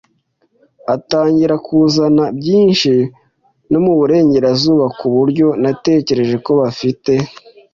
atangira kuzana byinshi no muburengerazuba, kuburyo natekereje ko bafite